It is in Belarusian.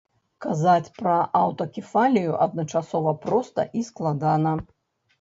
Казаць пра аўтакефалію адначасова проста і складана.